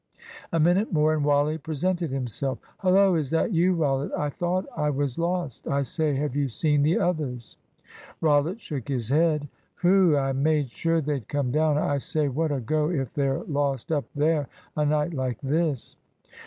A minute more and Wally presented himself. "Hullo, is that you, Rollitt? I thought I was lost. I say, have you seen the others?" Rollitt shook his head. "Whew! I made sure they'd come down. I say, what a go if they're lost up there, a night like this?"